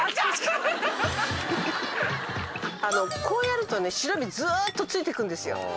こうやるとね白身ずっとついてくるんですよ。